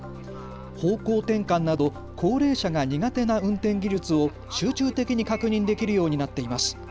方向転換など高齢者が苦手な運転技術を集中的に確認できるようになっています。